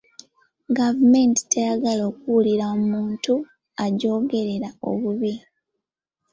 Gavumenti teyagala kuwulira muntu agyogerera obubi.